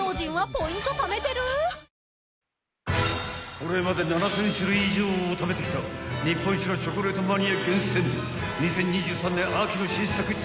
［これまで７，０００種類以上を食べてきた日本一のチョコレートマニア厳選２０２３年秋の新作チョコ］